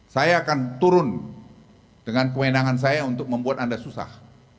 saya akan turun dengan kewenangan saya untuk membuat anda susah